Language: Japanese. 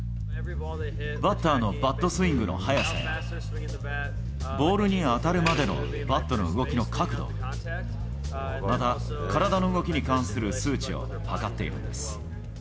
バッターのバットスイングの速さや、ボールに当たるまでのバットの動きの角度、また体の動きに関する数値を測っているんです。